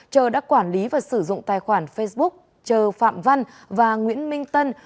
trờ đã quản lý và sử dụng tài khoản facebook trờ phạm văn và nguyễn minh tân